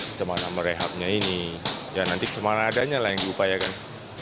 bagaimana merehabnya ini ya nanti kemana adanya lah yang diupayakan